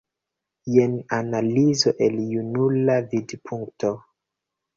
Jen analizo el junula vidpunkto.